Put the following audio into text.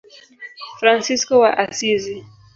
Fransisko wa Asizi.